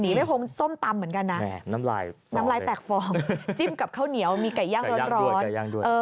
หนีไปพงส้มตำเหมือนกันน่ะน้ำลายแตกฟองมีไก่ย่างร้อนด้วย